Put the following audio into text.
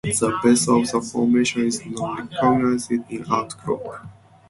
The base of the formation is not recognized in outcrop.